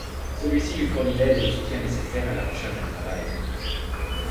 Celui-ci lui fournit l’aide et le soutien nécessaire à la recherche d’un travail.